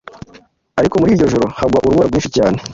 ariko muri iryo joro hagwa urubura rwinshi cyane